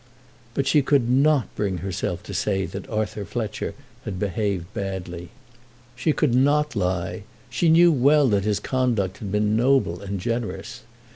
But she could not bring herself to say that Arthur Fletcher had behaved badly. She could not lie. She knew well that his conduct had been noble and generous.